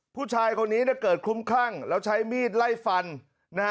ผู้ชายคนนี้เกิดคุ้มข้างแล้วใช้มีดไล่ฟัน